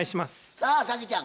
さあ早希ちゃん